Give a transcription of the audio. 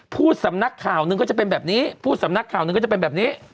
สำนักข่าวหนึ่งก็จะเป็นแบบนี้พูดสำนักข่าวหนึ่งก็จะเป็นแบบนี้